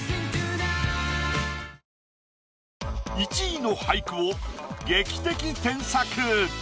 １位の俳句を劇的添削！